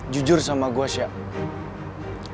jujur sama gue syah